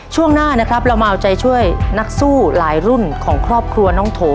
ช่วงหน้านะครับเรามาเอาใจช่วยนักสู้หลายรุ่นของครอบครัวน้องโถ